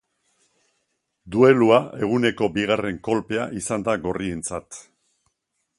Duelua eguneko bigarren kolpea izan da gorrientzat.